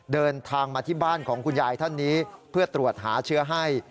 เดินทางมาที่บ้านของคุณยายท่านนี้เพื่อตรวจหาเชื้อให้